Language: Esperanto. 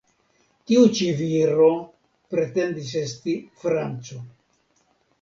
Tiu ĉi viro pretendis esti franco.